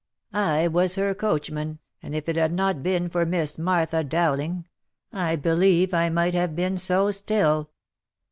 I was her coachman, and if it had not been for JVIiss Martha Dowling, I believe I might have been so still."